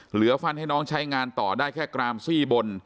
ฟันให้น้องใช้งานต่อได้แค่กรามซี่บน